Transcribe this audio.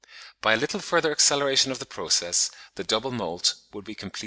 By a little further acceleration in the process, the double moult would be completely lost.